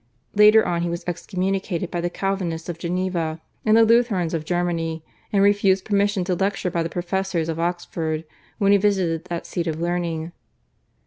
Later on he was excommunicated by the Calvinists of Geneva and the Lutherans of Germany, and refused permission to lecture by the professors of Oxford when he visited that seat of learning.